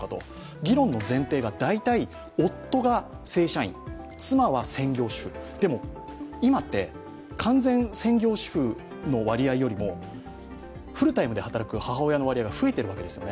議論の前提が、大体、夫が正社員、妻は専業主婦、でも今って、完全専業主婦の割合よりもフルタイムで働く母親の割合が増えているわけですよね。